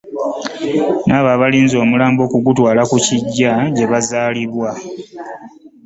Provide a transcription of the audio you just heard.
Nabo nga balinze omulambo okugutwala ku kiggya gye bazaalibwa.